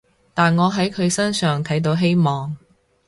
但我喺佢身上睇到希望